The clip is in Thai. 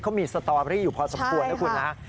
เขามีสตรไปได้อยู่พอสมควรนะครับ